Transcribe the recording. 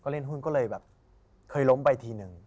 เล่นหุ้นก็เลยแบบเคยล้มไปทีนึง